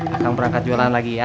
akan berangkat jualan lagi ya